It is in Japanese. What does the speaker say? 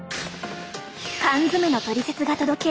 缶詰のトリセツが届ける